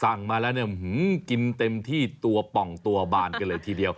มาแล้วเนี่ยกินเต็มที่ตัวป่องตัวบานกันเลยทีเดียว